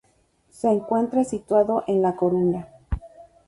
Se encuentra situado en La Coruña.